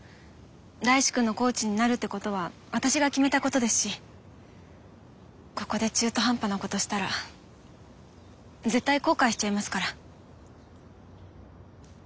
大志くんのコーチになるってことは私が決めたことですしここで中途半端なことしたら絶対後悔しちゃいますから。